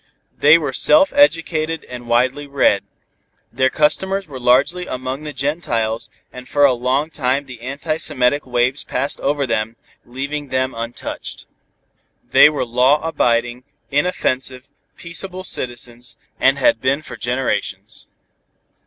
They were self educated and widely read. Their customers were largely among the gentiles and for a long time the anti semitic waves passed over them, leaving them untouched. They were law abiding, inoffensive, peaceable citizens, and had been for generations.